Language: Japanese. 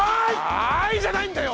「はぁい！」じゃないんだよ！